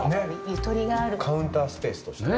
カウンタースペースとして。